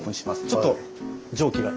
ちょっと蒸気が。